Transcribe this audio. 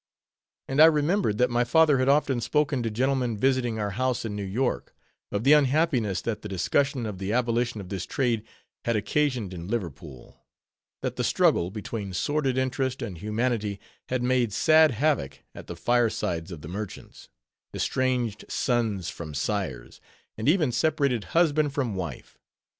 And I remembered that my father had often spoken to gentlemen visiting our house in New York, of the unhappiness that the discussion of the abolition of this trade had occasioned in Liverpool; that the struggle between sordid interest and humanity had made sad havoc at the fire sides of the merchants; estranged sons from sires; and even separated husband from wife.